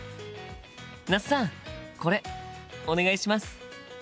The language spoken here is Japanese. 那須さんこれお願いします。